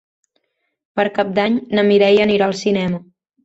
Per Cap d'Any na Mireia anirà al cinema.